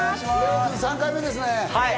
３回目ですね。